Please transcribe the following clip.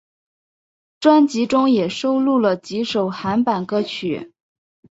专辑中也收录了几首韩版歌曲。